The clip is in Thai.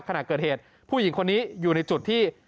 ขณะเกิดเหตุผู้หญิงคนนี้อยู่ในจุดที่